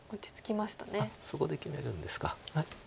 そこで切れるんですか。